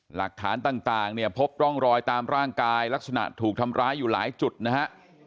หลักฐานต่างเนี่ยพบร่องรอยตามร่างกายลักษณะถูกทำร้ายอยู่หลายจุดนะฮะ